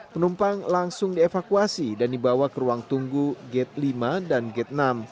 penumpang langsung dievakuasi dan dibawa ke ruang tunggu gate lima dan gate enam